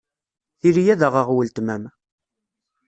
Tili ad aɣeɣ weltma-m.